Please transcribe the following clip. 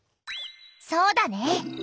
そうだね。